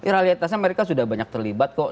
realitasnya mereka sudah banyak terlibat kok